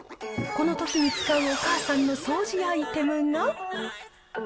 このときに使うお母さんの掃除アイテムが。